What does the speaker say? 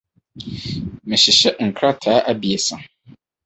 Mehyehyɛ nkrataa abiɛsa.